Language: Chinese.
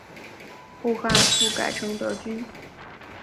后汉复改成德军。